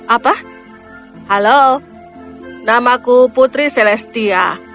apa halo namaku putri celestia